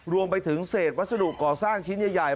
รวมไปถึงเศษวัสดุก่อสร้างชิ้นใหญ่